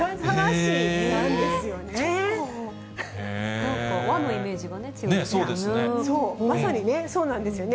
なんか和のイメージが強くあそうですね。